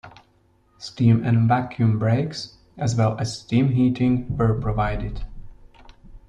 Steam and vacuum brakes, as well as steam heating were provided.